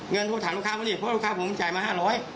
เงินโทรไปถามลูกค้าผมได้เพราะลูกค้าผมมันจ่ายมา๕๐๐